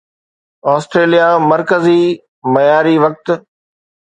Australia مرڪزي معياري وقت